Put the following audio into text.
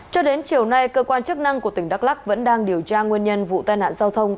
cho đến chiều nay cơ quan chức năng của tỉnh đắk lắc vẫn đang điều tra nguyên nhân vụ tai nạn giao thông